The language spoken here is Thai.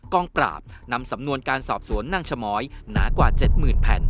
กองปราบนำสำนวนการสอบสวนนางชมอยหนากว่า๗๐๐แผ่น